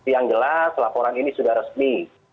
yang jelas laporan ini sudah resmi